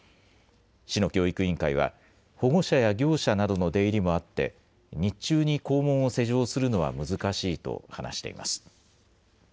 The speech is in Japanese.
市の教育委員会は、保護者や業者などの出入りもあって、日中に校門を施錠するのは難しいと話しています。